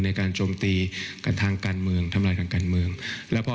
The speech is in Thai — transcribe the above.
โจมตีกันทางการเมืองทำลายทางการเมืองแล้วพอ